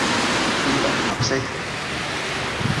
邊度唔合適？